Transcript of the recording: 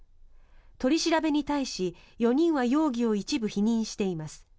取り調べに対し、４人は容疑を一部否認しています。